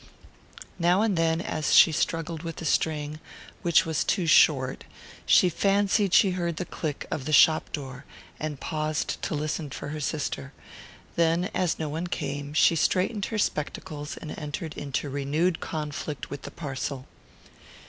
Now and then, as she struggled with the string, which was too short, she fancied she heard the click of the shop door, and paused to listen for her sister; then, as no one came, she straightened her spectacles and entered into renewed conflict with the parcel.